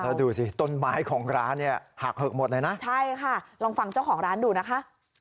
แล้วดูสิต้นไม้ของร้านเนี่ยหักเหิกหมดเลยนะใช่ค่ะลองฟังเจ้าของร้านดูนะคะ